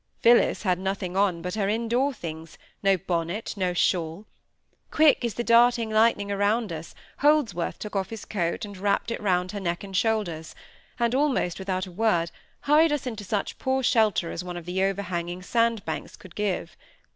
Phillis had nothing on but her indoor things—no bonnet, no shawl. Quick as the darting lightning around us, Holdsworth took off his coat and wrapped it round her neck and shoulders, and, almost without a word, hurried us all into such poor shelter as one of the overhanging sand banks could give.